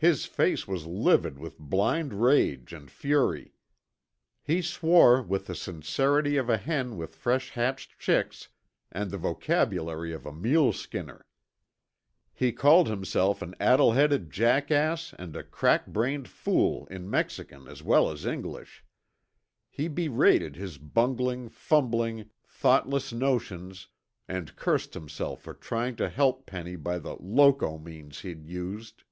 His face was livid with blind rage and fury. He swore with the sincerity of a hen with fresh hatched chicks and the vocabulary of a mule skinner. He called himself an addleheaded jackass and a crackbrained fool in Mexican as well as English. He berated his bungling, fumbling, thoughtless notions and cursed himself for trying to help Penny by the "loco" means he'd used.